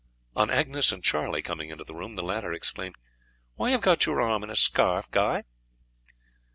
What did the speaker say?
On Agnes and Charlie coming into the room, the latter exclaimed, "Why have you got your arm in a scarf, Guy?"